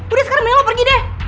udah sekarang mending lo pergi deh